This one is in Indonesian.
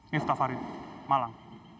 nifta farid malang